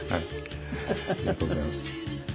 ありがとうございます。